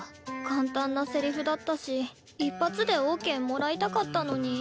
簡単なセリフだったし一発でオーケーもらいたかったのに。